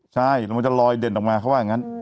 ใช่มันจะลอยเด่นออกมาเขาว่างั้น